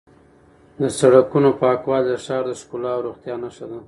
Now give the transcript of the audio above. د سړکونو پاکوالی د ښار ښکلا او روغتیا نښه ده.